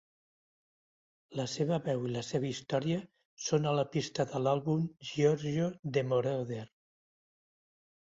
La seva veu i la seva història són a la pista de l'àlbum "Giorgio de Moroder".